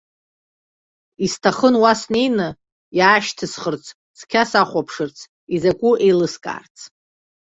Исҭахын уа снеины иаашьҭысхырц, цқьа сахәаԥшырц, изакәу еилыскаарц.